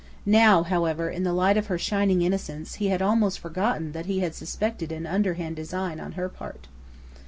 Now, however, in the light of her shining innocence, he had almost forgotten that he had suspected an underhand design on her part.